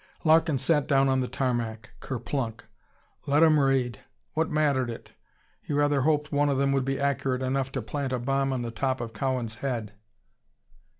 Larkin sat down on the tarmac, ker plunk! Let 'em raid. What mattered it? He rather hoped one of them would be accurate enough to plant a bomb on the top of Cowan's head.